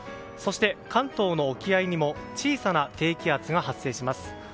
そして、関東の沖合にも小さな低気圧が発生します。